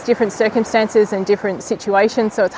dan ada keadaan berbeda dan situasi berbeda